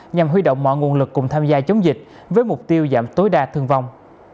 nhằm huy động mọi nguồn lực cùng tham gia chống dịch với mục tiêu giảm tối đa thương vong